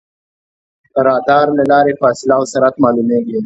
د رادار له لارې فاصله او سرعت معلومېږي.